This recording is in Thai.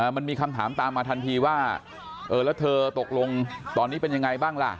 มันมีคำถามตามมาทันทีว่าเออแล้วเธอตกลงตอนนี้เป็นยังไงบ้างล่ะ